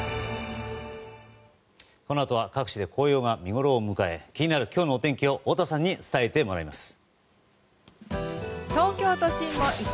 このあとは各地で紅葉が見ごろを迎え気になる今日のお天気を太田さんに伝えてもらいます。